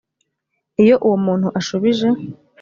iyo uwo muntu ashubije